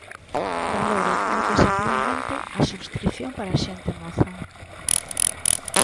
Valoro moi positivamente a subscrición para xente moza.